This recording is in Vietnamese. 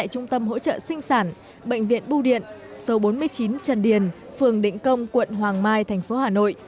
hỗ trợ sinh sản bệnh viện bù điện số bốn mươi chín trần điền phường định công quận hoàng mai thành phố hà nội